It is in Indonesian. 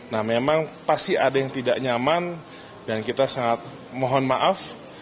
nah memang pasti ada yang tidak nyaman dan kita sangat mohon maaf